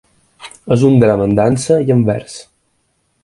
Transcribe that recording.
És un drama en dansa i en vers.